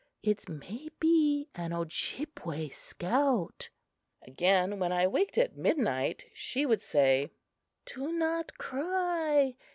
It may be an Ojibway scout!" Again, when I waked at midnight, she would say: "Do not cry!